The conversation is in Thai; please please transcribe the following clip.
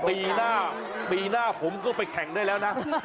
ปีหน้าปีหน้าผมก็ไปแข่งได้แล้วนะ